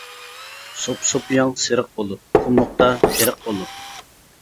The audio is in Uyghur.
سوپىسوپىياڭ سېرىق بولۇر، قۇملۇقتا تېرىق بولۇر.